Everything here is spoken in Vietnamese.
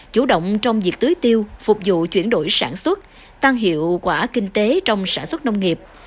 chủ động trong việc tưới tiêu phục vụ chuyển đổi sản xuất tăng hiệu quả kinh tế trong sản xuất nông nghiệp